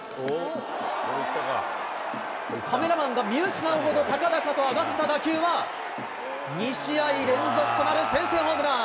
カメラマンが見失うほど高々と上がった打球は、２試合連続となる先制ホームラン。